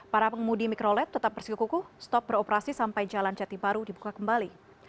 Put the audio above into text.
para pengumudi mikrolet tetap bersikuku kuku stop beroperasi sampai jalan jati baru dibuka kembali